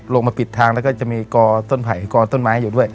ลงมาปิดทางแล้วก็จะมีกอต้นไผ่กอต้นไม้อยู่ด้วย